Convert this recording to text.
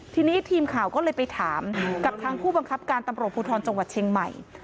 ทีนี้ทีมข่าวก็เลยไปถามกับทัพผมธรพการปรับตำรวจภูตอนช่องวัดเชียงใหม่